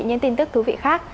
những tin tức thú vị khác